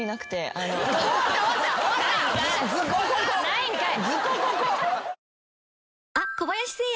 ないんかい！